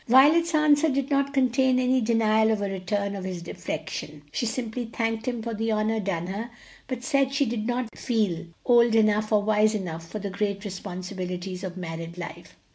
Violet's answer did not contain any denial of a return of his affection; she simply thanked him for the honor done her, but said she did not feel old enough or wise enough for the great responsibilities of married life.